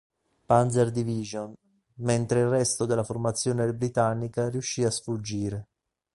Panzer-Division, mentre il resto della formazione britannica riuscì a sfuggire.